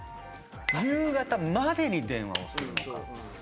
夕方までに電話をするのか。